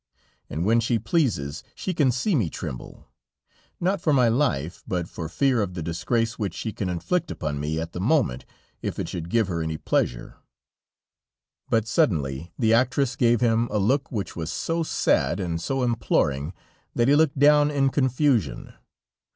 And when she pleases she can see me tremble; not for my life, but for fear of the disgrace which she can inflict upon me at the moment if it should give her any pleasure." But suddenly the actress gave him a look which was so sad and so imploring, that he looked down in confusion.